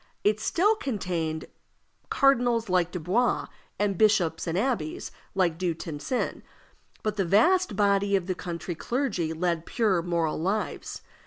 It still contained cardinals like Dubois, and bishops and abbés like Du Tencin, but the vast body of the country clergy led pure moral lives.